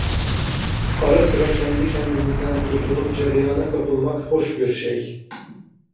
Ara sıra kendi kendimizden kurtulup cereyana kapılmak hoş bir şey.